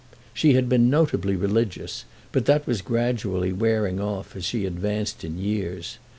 She had been notably religious, but that was gradually wearing off as she advanced in years.